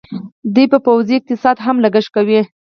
دوی په پوځي اقتصاد هم لګښت کوي.